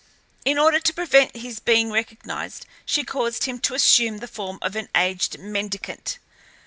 In order to prevent his being recognized she caused him to assume the form of an aged mendicant.